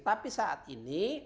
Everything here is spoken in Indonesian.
tapi saat ini